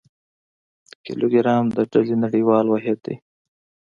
کیلوګرام د ډلي نړیوال واحد دی.